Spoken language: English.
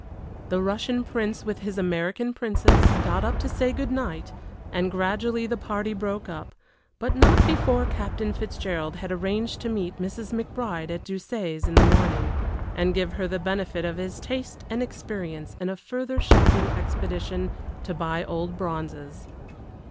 The Russian Prince, with his American Princess, got up to say good night, and gradually the party broke up, but not before Captain Fitzgerald had arranged to meet Mrs. McBride at Doucet's in the morning, and give her the benefit of his taste and experience in a further shopping expedition to buy old bronzes.